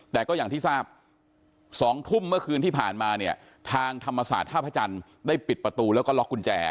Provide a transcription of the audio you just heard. แต่ก็อย่างที่ทราบ๒ทุ่มเมื่อคืนที่ผ่านมาเนี่ยทางธรรมศาสตร์ท่าพระจันทร์ได้ปิดประตูแล้วก็ล็อกกุญแจ